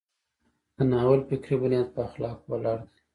د ناول فکري بنیاد په اخلاقو ولاړ دی.